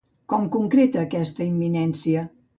Com concreta aquesta imminència?